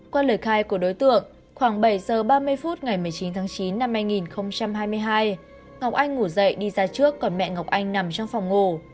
qua lời khai của đối tượng khoảng bảy giờ ba mươi phút ngày một mươi chín tháng chín năm hai nghìn hai mươi hai ngọc anh ngủ dậy đi ra trước còn mẹ ngọc anh nằm trong phòng ngủ